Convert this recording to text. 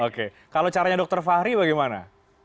oke kalau caranya dr fahri bagaimana